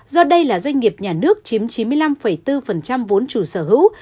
do đây là doanh nghiệp nhà nước chiếm chín mươi năm bốn vốn chủ sở hữu